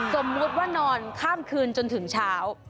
สมมุติว่านอนข้ามคืนจนถึงเช้า